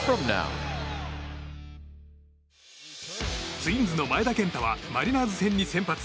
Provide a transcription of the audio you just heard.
ツインズの前田健太はマリナーズ戦に先発。